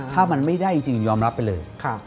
ถ้ามันไม่ได้จริงยอมรับไปเลย